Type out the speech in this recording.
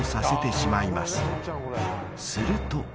［すると］